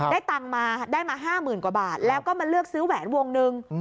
ตังค์มาได้มา๕๐๐๐กว่าบาทแล้วก็มาเลือกซื้อแหวนวงหนึ่ง